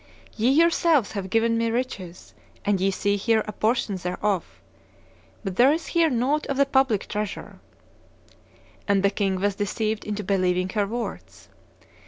Ye yourselves have given me riches, and ye see here a portion thereof; but there is here nought of the public treasure.' And the king was deceived into believing her words.